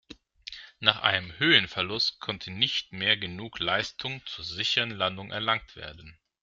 Nach einem Höhenverlust konnte nicht mehr genug Leistung zur sicheren Landung erlangt werden.